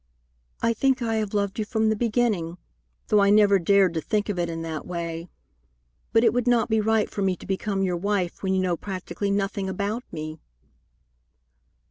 "I think I have loved you from the beginning, though I never dared to think of it in that way. But it would not be right for me to become your wife when you know practically nothing about me."